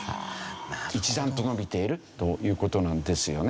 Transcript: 一段と伸びているという事なんですよね。